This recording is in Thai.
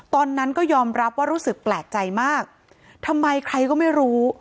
ตอนนั้นก็ยอมรับว่ารู้สึกแปลกใจมากทำไมใครก็ไม่รู้